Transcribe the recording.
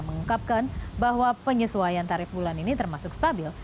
mengungkapkan bahwa penyesuaian tarif bulan ini termasuk stabil